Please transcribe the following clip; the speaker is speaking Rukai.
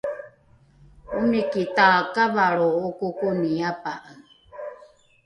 omiki takavalro okokoni apa’e